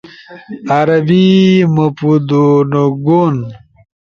عربی، مپُودُونگُون